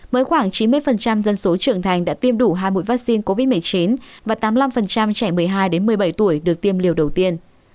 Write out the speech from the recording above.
với khoảng chín mươi dân số trưởng thành đã tiêm đủ hai mũi vaccine covid một mươi chín và tám mươi năm trẻ một mươi hai một mươi bảy tuổi được tiêm liều đầu tiên